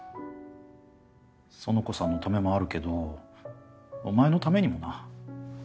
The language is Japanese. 苑子さんのためもあるけどお前のためにもな。